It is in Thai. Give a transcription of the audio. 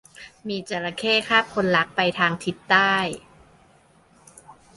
มีจระเข้คาบคนรักไปทางทิศใต้